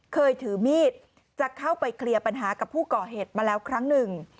เคยถือมีดจะเข้าไปเคลียร์ปัญหากับผู้ก่อเหตุมาแล้วครั้งหนึ่ง